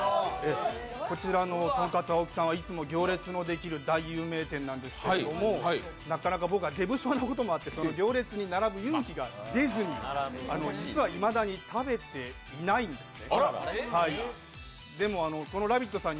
こちらのとんかつ檍さんはいつも行列のできる大有名店なんですけどなかなか僕は出不精なこともあって、行列に並ぶ勇気が出ずに、実は未だに食べていないんですね。